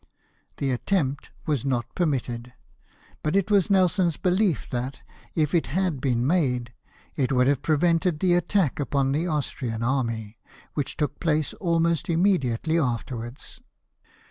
The attempt was not permitted ; but it was Nelson's belief that, if it had been made, it would have prevented the attack upon the Austrian army, which took place almost immediately afterwards.